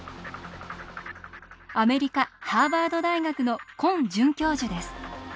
アメリカハーバード大学のコン准教授です。